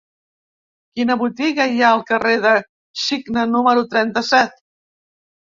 Quina botiga hi ha al carrer del Cigne número trenta-set?